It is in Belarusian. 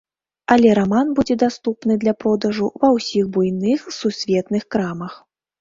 Але раман будзе даступны для продажу ва ўсіх буйных сусветных крамах.